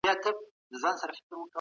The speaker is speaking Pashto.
ایا افغان سوداګر شین ممیز ساتي؟